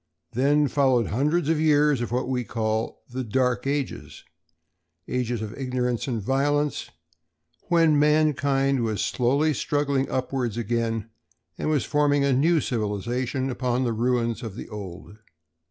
Then followed hundreds of years of what we call the "Dark Ages,"—ages of ignorance and violence, when mankind was slowly struggling upwards again and was forming a new civilization upon the ruins of the old.